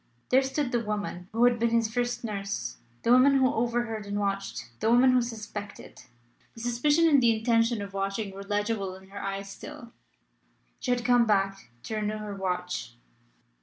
There stood the woman who had been his first nurse the woman who overheard and watched the woman who suspected. The suspicion and the intention of watching were legible in her eyes still. She had come back to renew her watch.